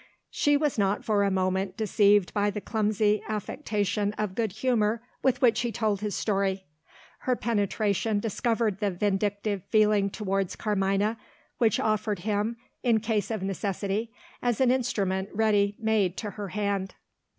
She was not for a moment deceived by the clumsy affectation of good humour with which he told his story. Her penetration discovered the vindictive feeling towards Carmina, which offered him, in case of necessity, as an instrument ready made to her hand.